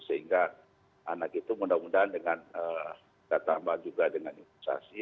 sehingga anak itu mudah mudahan dengan kita tambah juga dengan imunisasi